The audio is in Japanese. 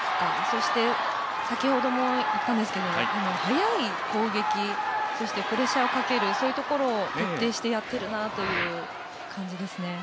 そして先ほども言ったんですけど早い攻撃、そしてプレッシャーをかけるそういうところを徹底してやっているなという感じですね。